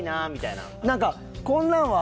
なんかこんなんは。